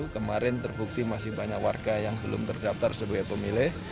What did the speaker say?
kemarin terbukti masih banyak warga yang belum terdaftar sebagai pemilih